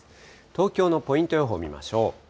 東京のポイント予報見ましょう。